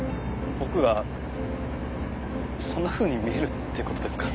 僕はそんなふうに見えるってことですか？